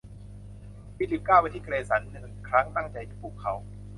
ฟิลิปก้าวไปที่เกรสันครึ่งหนึ่งตั้งใจจะปลุกเขา